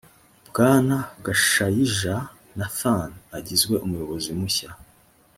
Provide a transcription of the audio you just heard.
bwana gashayija nathan agizwe umuyobozi mushya